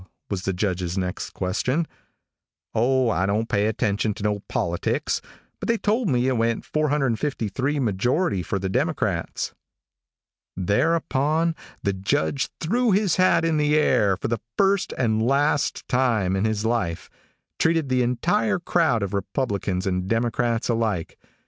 was the Judge's next question. "O, I don't pay no attention to politics, but they told me it went 453 majority for the Democrats." Thereupon the judge threw his hat in the air and for the first and last time in his life, treated the entire crowd of Republicans and Democrats alike.